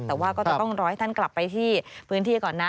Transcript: แต่ว่าก็จะต้องรอให้ท่านกลับไปที่พื้นที่ก่อนนะ